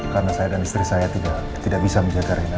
karena saya dan istri saya tidak bisa menjaga rena